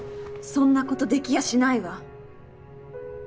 そんなことできやしないわ。